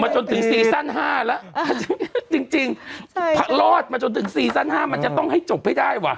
จริงผลอดมาจนถึงซีซั่น๕มันจะต้องให้จบให้ได้ว่ะ